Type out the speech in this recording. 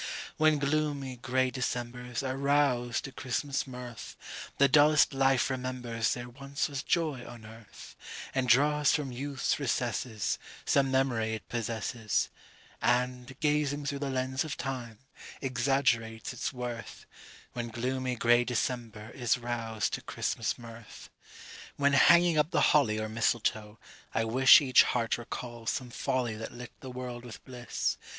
When gloomy, gray Decembers are roused to Christmas mirth, The dullest life remembers there once was joy on earth, And draws from youth's recesses Some memory it possesses, And, gazing through the lens of time, exaggerates its worth, When gloomy, gray December is roused to Christmas mirth. When hanging up the holly or mistletoe, I wis Each heart recalls some folly that lit the world with bliss.